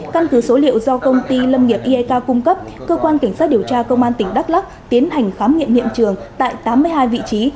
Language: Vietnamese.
căn cứ số liệu do công ty lâm nghiệp iek cung cấp cơ quan cảnh sát điều tra công an tỉnh đắk lắc tiến hành khám nghiệm hiện trường tại tám mươi hai vị trí